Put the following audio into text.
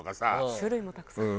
種類もたくさん。